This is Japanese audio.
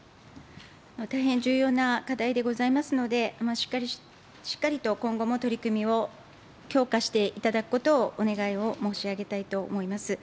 大変重要な課題でございますので、しっかりと今後も取り組みを強化していただくことを、お願いを申し上げたいと思います。